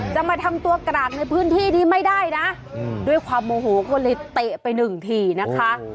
จะมาทำตัวกรากในพื้นที่นี้ไม่ได้นะด้วยความโมโหก็เลยเตะไปหนึ่งทีนะคะ